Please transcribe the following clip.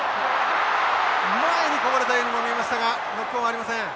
前にこぼれたようにも見えましたがノックオンはありません。